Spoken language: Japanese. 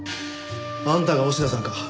あんたが押田さんか？